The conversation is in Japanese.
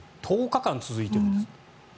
１０日間続いているんです。